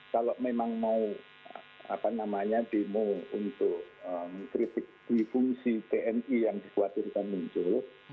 kalau memang mau demo untuk kritik difungsi tni yang dikhawatirkan muncul